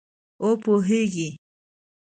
او پوهیږې